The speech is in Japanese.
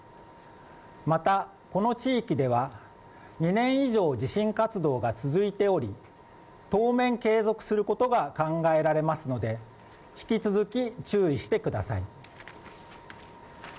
また、この地域では２年以上、地震活動が続いており当面継続することが考えられますので、引き続き注意してください。